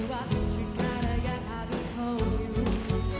「力があるという」